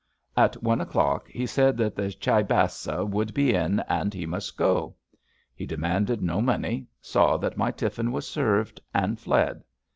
At one o'clock he said that the Chyebassa would be in, and he must go. He demanded no money, saw that my tiflfin was served, and fled.